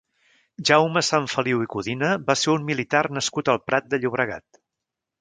Jaume Sanfeliu i Codina va ser un militar nascut al Prat de Llobregat.